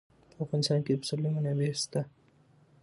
په افغانستان کې د پسرلی منابع شته.